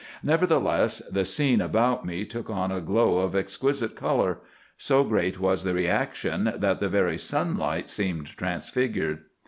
Nevertheless, the scene about me took on a glow of exquisite color. So great was the reaction that the very sunlight seemed transfigured.